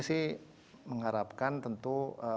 sih mengharapkan tentu